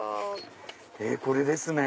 これですね。